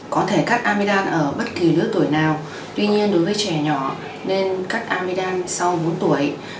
có thể cắt amidam ở bất kỳ lứa tuổi nào tuy nhiên đối với trẻ nhỏ nên cắt amidam sau bốn tuổi